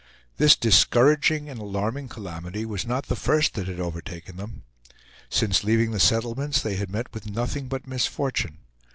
This discouraging and alarming calamity was not the first that had overtaken them. Since leaving the settlements, they had met with nothing but misfortune.